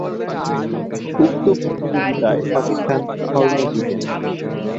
উক্ত প্রতিযোগীতায় পাকিস্তান স্বর্ণ জিতেন।